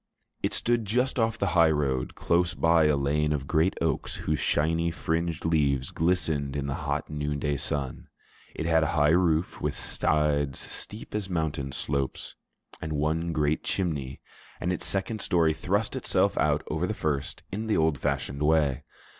It stood just off the high road, close by a lane of great oaks whose shiny, fringed leaves glistened in the hot noon day sun; it had a high roof with sides steep as mountain slopes, and one great chimney; and its second story thrust itself out over the first in the old fashioned way.